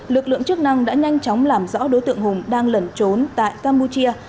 lực lượng chức năng đã nhanh chóng làm rõ đối tượng hùng đang lẩn trốn tại campuchia